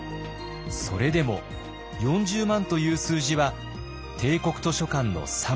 それでも４０万という数字は帝国図書館の３倍。